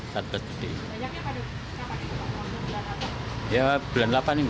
banyaknya pada kapan ini